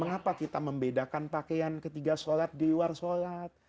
mengapa kita membedakan pakaian ketiga sholat di luar sholat